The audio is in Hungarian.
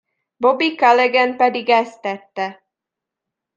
Bobby Calaghan pedig ezt tette.